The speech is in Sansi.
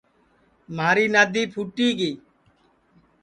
مھاری نادی پھُوٹی گی